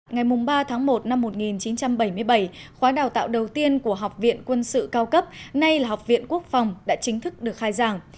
ngày ba tháng một năm một nghìn chín trăm bảy mươi bảy khóa đào tạo đầu tiên của học viện quân sự cao cấp nay là học viện quốc phòng đã chính thức được khai giảng